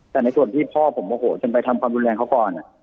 แต่ในส่วนที่พ่อผมโมโหจนไปทำความรุนแรงเขาก่อน